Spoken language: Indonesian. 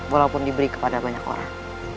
walaupun diberi kepada banyak orang